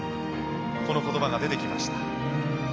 この言葉が出てきました。